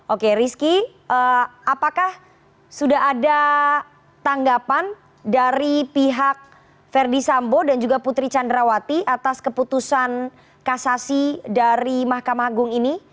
oke rizky apakah sudah ada tanggapan dari pihak verdi sambo dan juga putri candrawati atas keputusan kasasi dari mahkamah agung ini